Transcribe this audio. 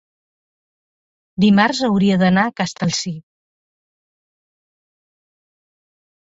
dimarts hauria d'anar a Castellcir.